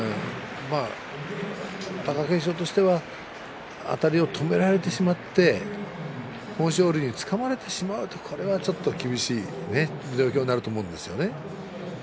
貴景勝としてはあたりを止められてしまって豊昇龍につかまれてしまうとちょっと苦しいですよね。